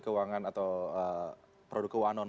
keuangan atau produk keuangan